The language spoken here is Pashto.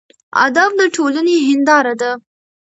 ادب د ټولنې هینداره ده.